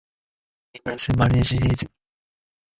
His Mystic counterpart simultaneously vanishes.